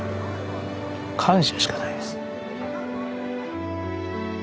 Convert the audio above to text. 感謝しかないです。